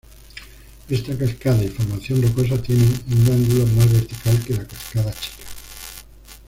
Esta cascada y formación rocosa tiene un ángulo más vertical que la cascada chica.